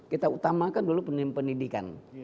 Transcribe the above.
kita utamakan dulu pendidikan